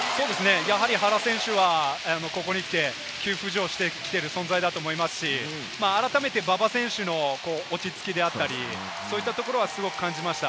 やはり原選手は、ここにきて急浮上してきている存在だと思いますし、改めて馬場選手の落ち着きであったり、そういったところはすごく感じました。